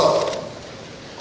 orientasi yang berorientasi